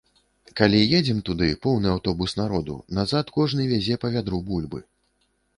Калі едзем туды, поўны аўтобус народу, назад кожны вязе па вядру бульбы.